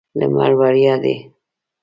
لمر وړیا دی.